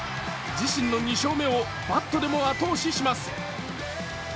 自身の２勝目をバットでも後押しします。